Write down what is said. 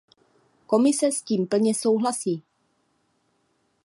Komise s tím plně souhlasí.